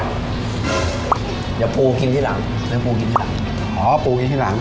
เดี๋ยวปูกินซ่อนแล้วปูกินละจ๋อปูกินที่หลัง